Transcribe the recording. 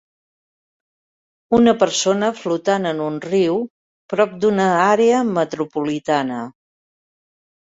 Una persona flotant en un riu prop d'una àrea metropolitana